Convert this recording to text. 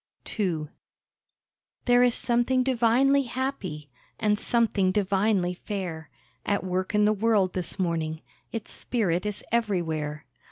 II There is something divinely happy, And something divinely fair, At work in the world this morning, Its spirit is everywhere.